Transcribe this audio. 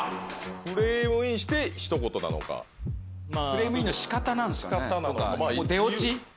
フレームインして一言なのかフレームインのしかたなんですかねとか出落ち？